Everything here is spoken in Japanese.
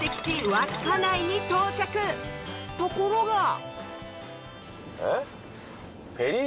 稚内に到着ところがえっ？